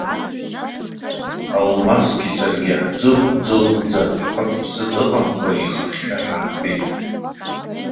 Алмасгьы саргьы ҳӡыӷә-ӡыӷәӡа, ҳҟыт-ԥсыт ыҟамкәа ихахьшәа ҳаатәеит.